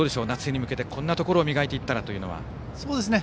夏に向けてこんなところを磨いていったらというのは。